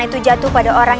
aku tidak bisa menjagayeah nya